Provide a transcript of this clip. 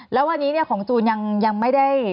แล้ววันนี้ของจูนยังไม่ได้